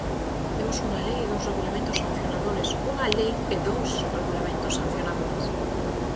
Temos unha lei e dous regulamentos sancionadores, ¡unha lei e dous regulamentos sancionadores!